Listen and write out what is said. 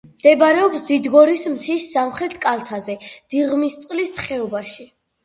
მდებარეობს დიდგორის მთის სამხრეთ კალთაზე, დიღმისწყლის ხეობაში.